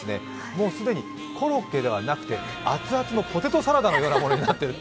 もう既にコロッケではなくて熱々のポテトサラダのようになっている。